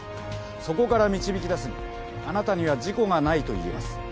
そこから導きだすにあなたには自己がないといえます。